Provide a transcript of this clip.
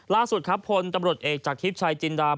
ล่าสุดครับพลตำรวจเอกจากทิพย์ชายจินดา